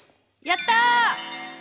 やった！